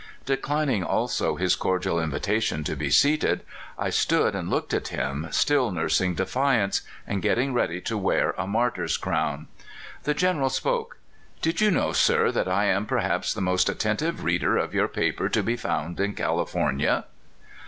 Declining also his cordial invitation to be seated, I stood and looked at him, still nursing defiance, and getting ready to wear a martyr's crown. The General spoke :" Did you know, sir, that I am perhaps the most attentive reader of your paper to be found in Cal ifornia?"